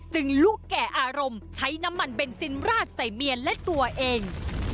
ลูกแก่อารมณ์ใช้น้ำมันเบนซินราดใส่เมียและตัวเอง